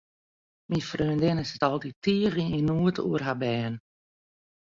Myn freondinne sit altiten tige yn noed oer har bern.